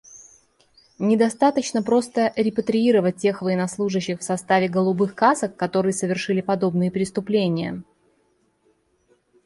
Недостаточно просто репатриировать тех военнослужащих в составе «голубых касок», которые совершили подобные преступления.